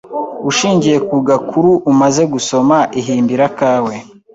Ushingiye ku gakuru umaze gusoma, ihimbire akawe